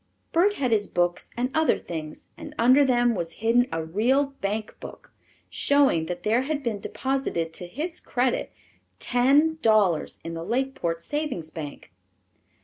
Bert had his books and other things, and under them was hidden a real bank book, showing that there had been deposited to his credit ten dollars in the Lakeport Savings Bank.